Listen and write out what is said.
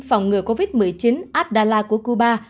phòng ngừa covid một mươi chín abdala của cuba